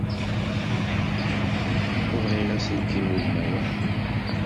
Bɣiɣ aselkim udmawan.